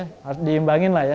harus diimbangin lah ya